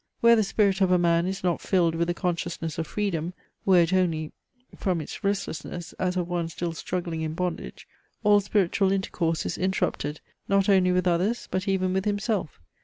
Where the spirit of a man is not filled with the consciousness of freedom (were it only from its restlessness, as of one still struggling in bondage) all spiritual intercourse is interrupted, not only with others, but even with himself.